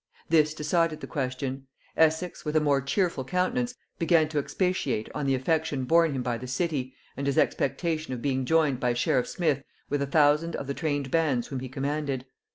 This decided the question; Essex, with a more cheerful countenance, began to expatiate on the affection borne him by the city, and his expectation of being joined by sheriff Smith with a thousand of the trained bands whom he commanded.